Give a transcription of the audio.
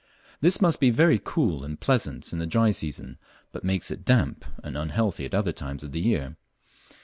This must be very cool and pleasant in the dry season, but makes it damp and unhealthy at other times of the year.